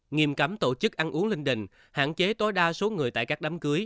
nghiêm cấm tổ chức ăn uống linh đình hạn chế tối đa số người tại các đám cưới